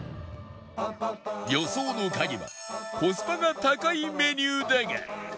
予想の鍵はコスパが高いメニューだが